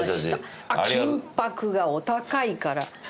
あっ金箔がお高いから。